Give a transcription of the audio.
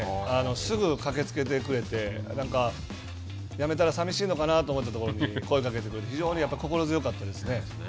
すぐ駆けつけてくれて辞めたら寂しいのかなと思ったところに声をかけてくれて心強かったですよね。